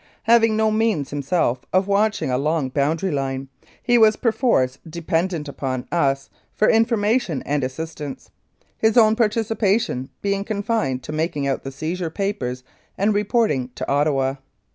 Having himself no means of watching a long boundary line, he was perforce dependent upon us for information and assistance, his own participation being confined to making out the seizure papers and reporting to Ottawa.